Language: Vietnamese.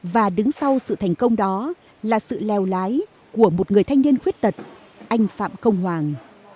và đứng sau sự thành công đó là sự leo lái của một người thanh niên khuyết tật anh phạm công hoàng